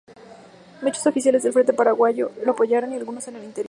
Muchos oficiales del frente paraguayo lo apoyaron, y algunos en el interior.